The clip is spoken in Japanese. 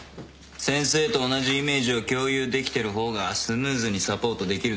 先生と同じイメージを共有できてる方がスムーズにサポートできるだろ。